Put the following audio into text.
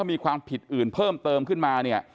มีความผิดอื่นเพิ่มเติมขึ้นมาเนี่ย